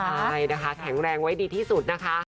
ใช่นะคะแข็งแรงไว้ดีที่สุดนะคะ